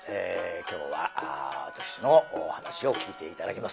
今日は私の噺を聴いて頂きます。